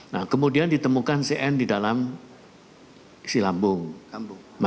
nah kemudian ditemukan cn di dalam silambung